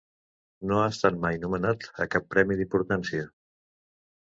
No ha estat mai nomenat a cap premi d'importància.